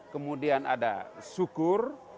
kemudian ada syukur